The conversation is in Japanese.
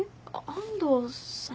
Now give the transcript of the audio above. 安藤さん